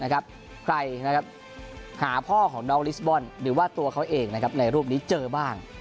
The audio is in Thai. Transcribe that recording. ใครหาพ่อของน้องลิสบอลหรือว่าตัวเขาเองในรูปนี้เจอบ้าง